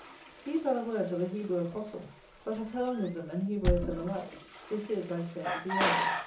These are the words of a Hebrew apostle, but of Hellenism and Hebraism alike this is, I say, the aim.